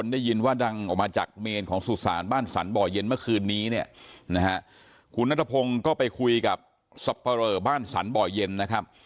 ได้ยินว่าดังออกมาจากเมนของสุสานบ้านสรรบ่อเย็นเมื่อคืนนี้เนี่ยนะฮะคุณนัทพงศ์ก็ไปคุยกับสับปะเรอบ้านสรรบ่อเย็นนะครับ